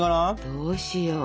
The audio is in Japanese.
どうしよう。